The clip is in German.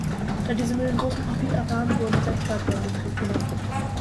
Da diese Mühlen großen Profit abwarfen, wurden sechs weitere in Betrieb genommen.